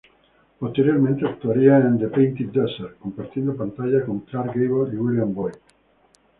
Posteriormente actuaría en "The Painted Desert", compartiendo pantalla con Clark Gable y William Boyd.